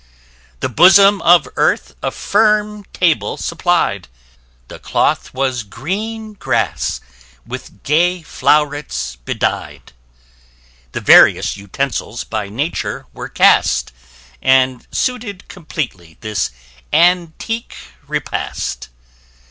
_] The bosom of earth a firm table supply'd [p 13] The cloth was green grass, with gay flow'rets bedy'd; The various utensils by nature were cast, And suited completely this antique repast.